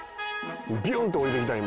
ビュンって降りてきた今。